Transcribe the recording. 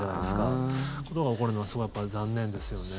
そういうことが起こるのはすごいやっぱり残念ですよね。